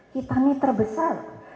kita ini terbesar